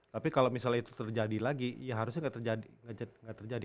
tapi kalau misalnya itu terjadi lagi ya harusnya nggak terjadi